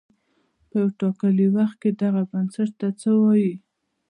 په یو ټاکلي وخت کې دغه نسبت ته څه وايي